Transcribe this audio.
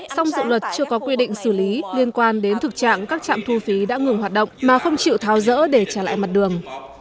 song dự luật chưa có quy định xử lý liên quan đến thực trạng các trạm thu phí đã ngừng hoạt động mà không chịu tháo rỡ để trả lại mặt đường